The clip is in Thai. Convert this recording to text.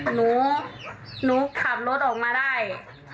หนูหนูขับรถออกมาได้